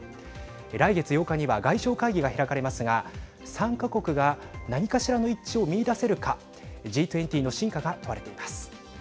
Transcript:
来月８日には外相会議が開かれますが参加国が何かしらの一致を見いだせるかＧ２０の真価が問われています。